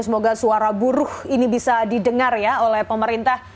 semoga suara buruh ini bisa didengar ya oleh pemerintah